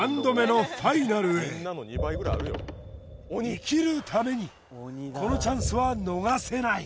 生きるためにこのチャンスは逃せない